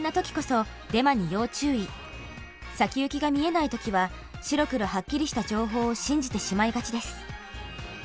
先行きが見えない時は白黒はっきりした情報を信じてしまいがちです。